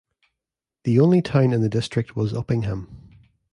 The only town in the district was Uppingham.